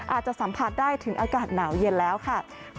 อาจจะสัมผัสได้ถึงอากาศหนาวเย็นแล้วค่ะ